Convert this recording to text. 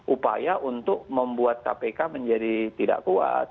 upaya untuk membuat kpk menjadi tidak kuat